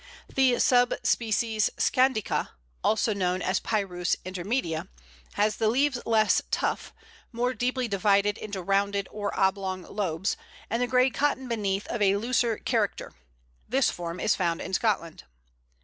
The sub species scandica (also known as Pyrus intermedia) has the leaves less tough, more deeply divided into rounded or oblong lobes, and the grey cotton beneath of a looser character. This form is found in Scotland.